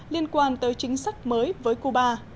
liên quan tới chính sách mới với cuba